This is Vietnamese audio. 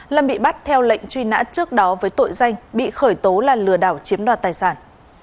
lâm bị bắt theo lệnh truy nã trước đó với tội danh bị khởi tố là lừa đảo chiếm đoạt tài sản